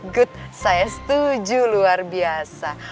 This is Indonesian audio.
good saya setuju luar biasa